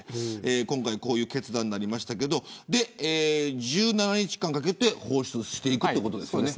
今回こういう決断になりましたが１７日間かけて放出していくということですよね。